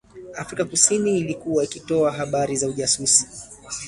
Afrika kusini ilikuwa ikitoa habari za ujasusi